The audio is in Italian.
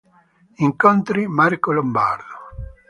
Incontri: Marco Lombardo.